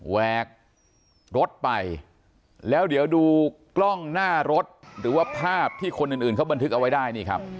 แวกรถไปแล้วเดี๋ยวดูกล้องหน้ารถหรือว่าภาพที่คนอื่นเขาบันทึกเอาไว้ได้นี่ครับ